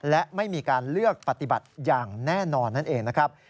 และไม่มีการเลือกปฏิบัติอย่างแน่นอนนั่นเองนะครับ